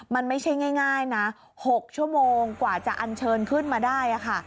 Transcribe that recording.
มันไม่ใช่ง่ายนะ๖ชั่วโมงกว่าจะอันเชิญขึ้นมาได้ค่ะ